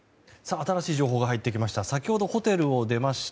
新しい情報が入ってきました。